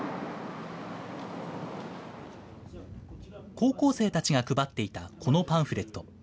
高校生たちが配っていたこのパンフレット。